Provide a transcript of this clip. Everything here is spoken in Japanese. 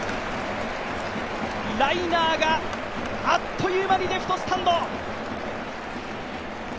ライナーがあっという間にレフトスタンド！